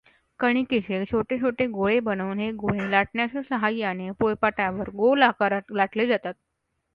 कणिकेचे छोटे छोटे गोळे बनवुन हे गोळे लाटण्याच्या साहाय्याने पोळपाटावर गोल आकारात लाटले जातात.